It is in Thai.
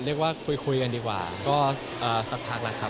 เรียกว่าคุยกันดีกว่าก็สักพักแล้วครับ